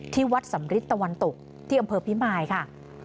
ที่วัดสำริทตะวันตกที่อำเภอพิมายค่ะ